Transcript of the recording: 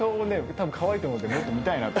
多分かわいいと思うんでもっと見たいなと・